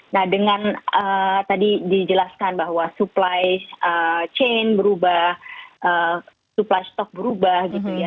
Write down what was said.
nah dengan tadi dijelaskan bahwa supply chain berubah supply stok berubah gitu ya